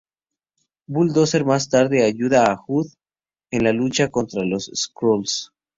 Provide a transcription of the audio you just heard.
Bulldozer más tarde ayuda a Hood en la lucha contra los Skrulls.